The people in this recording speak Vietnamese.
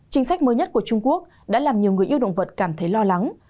chính sách mới nhất của trung quốc đã làm nhiều người yêu động vật cảm thấy lo lắng